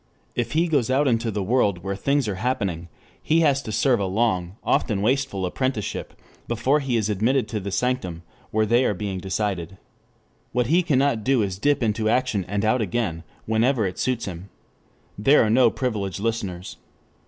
If he goes out into "the world" where things are happening, he has to serve a long, often wasteful, apprenticeship, before he is admitted to the sanctum where they are being decided. What he cannot do is to dip into action and out again whenever it suits him. There are no privileged listeners.